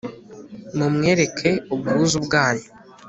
mumwereke ubwuzu bwanyu